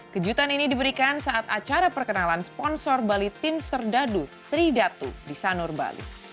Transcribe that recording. kejutan ini diberikan saat acara perkenalan sponsor bali team serdadu tridatu di sanur bali